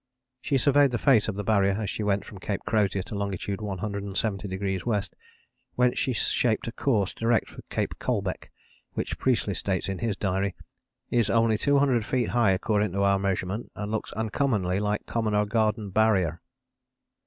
She surveyed the face of the Barrier as she went from Cape Crozier to longitude 170° W., whence she shaped a course direct for Cape Colbeck, which Priestley states in his diary "is only 200 feet high according to our measurement and looks uncommonly like common or garden Barrier."